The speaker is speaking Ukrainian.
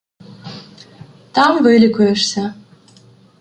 Там вилікуєшся.